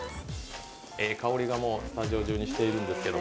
ええ香りがもうスタジオ中にしているんですけど。